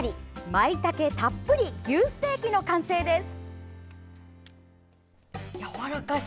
まいたけたっぷり牛ステーキの完成です。